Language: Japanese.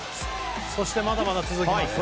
そして、まだまだ続きますね。